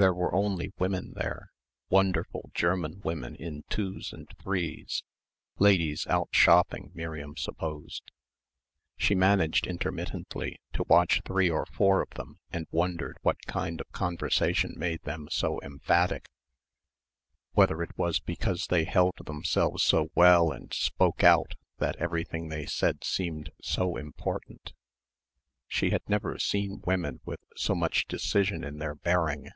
There were only women there wonderful German women in twos and threes ladies out shopping, Miriam supposed. She managed intermittently to watch three or four of them and wondered what kind of conversation made them so emphatic whether it was because they held themselves so well and "spoke out" that everything they said seemed so important. She had never seen women with so much decision in their bearing.